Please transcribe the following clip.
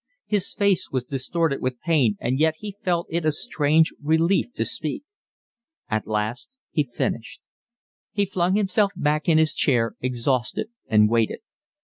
His face was distorted with pain, and yet he felt it a strange relief to speak. At last he finished. He flung himself back in his chair, exhausted, and waited.